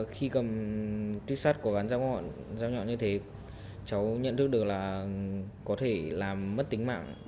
khi cầm tuyết xuất có gắn rào nhọn như thế cháu nhận thức được là có thể làm mất tính mạng